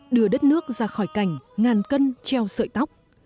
đưa đất nước ra khỏi cảnh ngàn cân treo sợi tóc